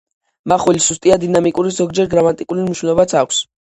მახვილი სუსტია, დინამიკური, ზოგჯერ გრამატიკული მნიშვნელობაც აქვს.